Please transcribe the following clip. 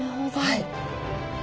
はい。